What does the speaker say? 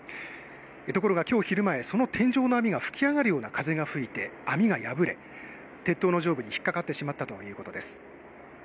ところがきょう昼前、その天井の網が吹き上がるような風が吹いて、網が破れ、鉄塔の上部に引っ掛かってしまったということです。